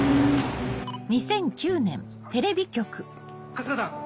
春日さん。